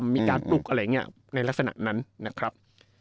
อย่างมีการปลูกอะไรเนี่ยในลักษณะนั้นนะครับ